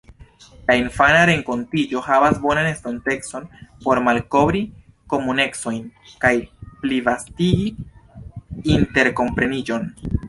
La infana renkontiĝo havas bonan estontecon por malkovri komunecojn kaj plivastigi interkompreniĝon.